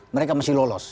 mereka masih lolos